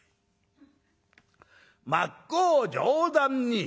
「真っ向上段に」。